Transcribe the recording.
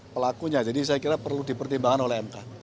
pelakunya jadi saya kira perlu dipertimbangkan oleh mk